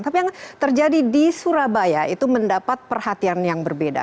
tapi yang terjadi di surabaya itu mendapat perhatian yang berbeda